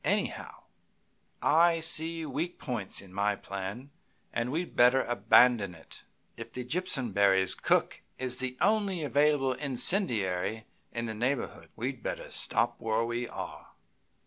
Anyhow, I see weak points in my plan, and we'd better abandon it. If the Jimpsonberrys' cook is the only available incendiary in the neighborhood, we'd better stop where we are.